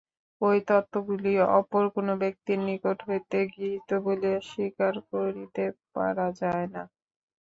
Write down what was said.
ঐ তত্ত্বগুলি অপর কোন ব্যক্তির নিকট হইতে গৃহীত বলিয়া স্বীকার করিতে পারা যায় না।